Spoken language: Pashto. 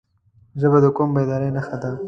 ژبه د قوم بیدارۍ نښه ده